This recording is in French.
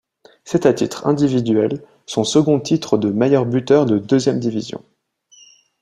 C'est à titre individuel son second titre de meilleur buteur de deuxième division.